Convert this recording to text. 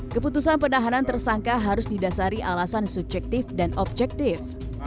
keputusan penahanan tersangka harus didasari alasan subjektif dan objektif